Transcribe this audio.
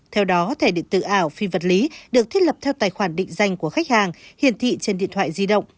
theo đó thẻ điện tử ảo phi vật lý được thiết lập theo tài khoản định danh của khách hàng hiển thị trên điện thoại di động